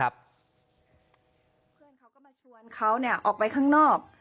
เพื่อนเขาก็มาชวนเขาออกไปข้างนอก